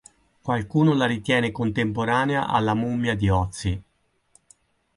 Qualcuno la ritiene contemporanea alla mummia di Ötzi.